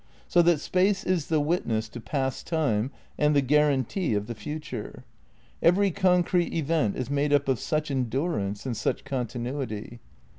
So that Space is the witness to past Time and the guarantee of the future. Every concrete event is made up of such endurance and such continuity.